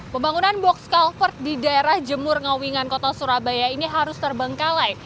pembangunan box culvert di daerah jemur ngawingan kota surabaya ini harus terbengkalai